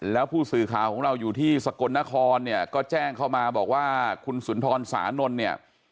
แล้วผู้สื่อข่าวของเราอยู่ที่สกลนครเนี่ยก็แจ้งเข้ามาบอกว่าคุณสุนทรสานนท์เนี่ย